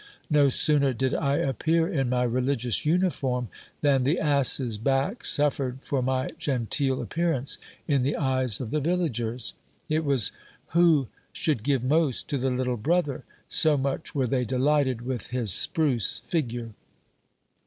No sooner did I appear in my religious uniform, than the ass's back suffered for my genteel appearance in the eyes of the villagers. It was who should give most to the little brother ! so much were they delighted with his spruce figure.